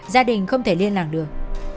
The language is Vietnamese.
gia đình không thể liên lạc được